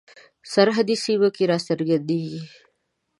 سرحدي سیمه کې را څرګندیږي.